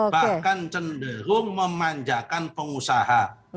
bahkan cenderung memanjakan pengusaha